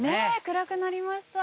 暗くなりました。